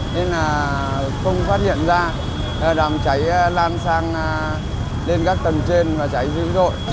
nên là không phát hiện ra đám cháy lan sang lên các tầng trên và cháy dữ dội